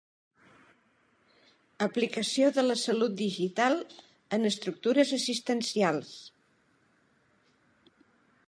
Aplicació de la salut digital en estructures assistencials.